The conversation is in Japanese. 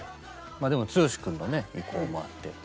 でも剛君のね意向もあって。